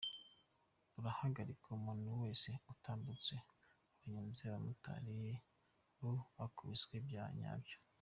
Barahagarika umuntu wese utambutse, abanyonzi n’abamotari bo bakubiswe bya nyabyo.